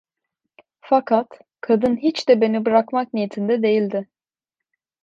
Fakat kadın hiç de beni bırakmak niyetinde değildi.